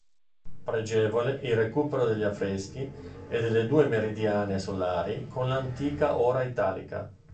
Pregevole il recupero degli affreschi e delle due meridiane solari con l'antica ora italica.